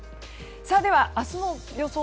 では、明日の予想